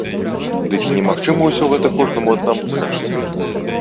Дык і немагчыма ўсё гэта кожнаму аднаму зрабіць.